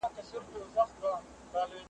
زه به نه یم ستا جلګې به زرغونې وي ,